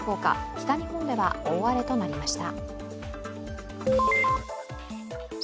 北日本では大荒れとなりました。